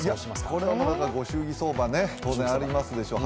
これはご祝儀相場ね、当然ありますでしょう。